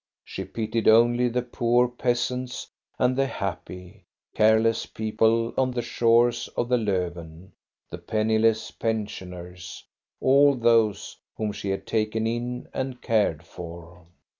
She pitied only the poor peasants and the happy, careless people on the shores of the Lofven, the penniless pensioners, — all those whom she had taken in and cared for.